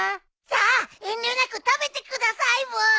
さあ遠慮なく食べてくださいブー。